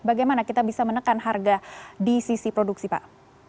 bagaimana kita bisa menekan harga di sisi produksi pak